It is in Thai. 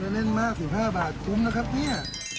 เล่นมาก๑๕บาทคุ้มนะครับเนี่ย